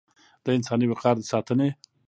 د انساني وقار د ساتنې